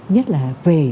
nhất là về